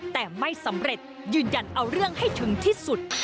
แต่ไม่สำเร็จยืนยันเอาเรื่องให้ถึงที่สุด